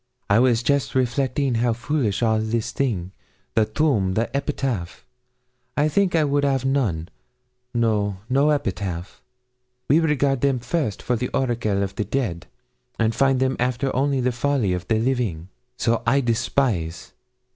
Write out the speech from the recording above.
I was just reflecting how foolish is all this thing the tomb the epitaph. I think I would 'av none no, no epitaph. We regard them first for the oracle of the dead, and find them after only the folly of the living. So I despise.